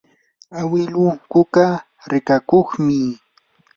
awiluu kuka rikakuqmi.